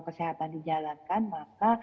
kesehatan dijalankan maka